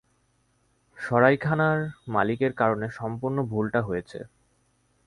সরাইখানার মালিকের কারণে সম্পুর্ণ ভুলটা হয়েছে।